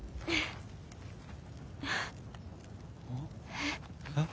えっ？えっ？